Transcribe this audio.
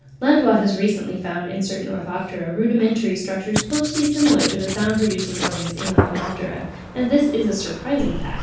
(43. Landois has recently found in certain Orthoptera rudimentary structures closely similar to the sound producing organs in the Homoptera; and this is a surprising fact.